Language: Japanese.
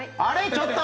ちょっと！